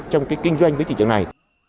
trong kinh doanh với thị trường này